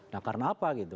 nah karena apa gitu